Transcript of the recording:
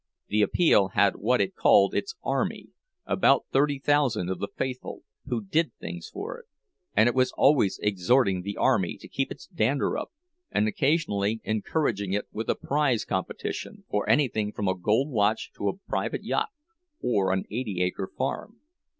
The "Appeal" had what it called its "Army," about thirty thousand of the faithful, who did things for it; and it was always exhorting the "Army" to keep its dander up, and occasionally encouraging it with a prize competition, for anything from a gold watch to a private yacht or an eighty acre farm.